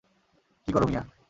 কী করো মিঞা!